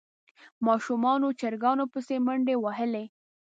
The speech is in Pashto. ماشومانو چرګانو پسې منډې وهلې.